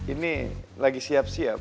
ini lagi siap siap